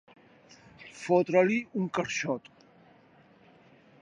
Fotre-li un carxot.